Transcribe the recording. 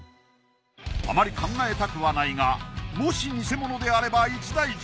あまり考えたくはないがもしニセモノであれば一大事